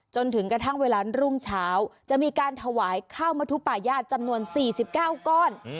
จนถึงกระทั่งเวลารุ่งเช้าจะมีการถวายข้าวมทุปายาศจำนวนสี่สิบเก้าก้อน